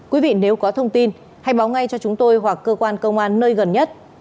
quý vị nếu có thông tin hãy báo ngay cho chúng tôi hoặc cơ quan công an nơi gần nhất